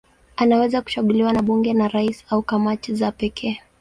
Anaweza kuchaguliwa na bunge, na rais au kamati za pekee.